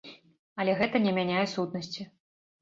Але гэта не мяняе сутнасці.